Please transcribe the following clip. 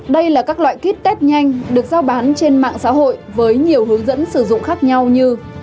đây là các loại kit test nhanh được giao bán trên mạng xã hội với nhiều hướng dẫn sử dụng khác nhau như